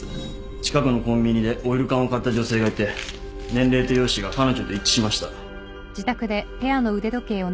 近くのコンビニでオイル缶を買った女性がいて年齢と容姿が彼女と一致しました。